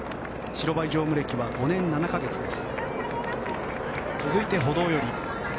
白バイ乗務歴は５年７か月です。